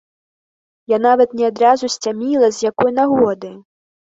Я нават не адразу сцяміла з якой нагоды.